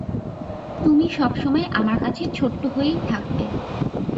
তুমি সব সময় আমার কাছে ছোট্ট হয়েই থাকবে।